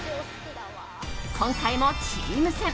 今回もチーム戦。